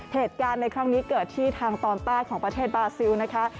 เหตุการณ์ในครั้งนี้เกิดที่ทางตอนใต้ของประเทศบาซิลนะคะ